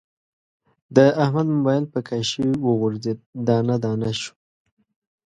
د احمد مبایل په کاشي و غورځید، دانه دانه شو.